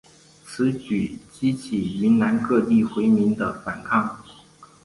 此举激起云南各地回民的反抗。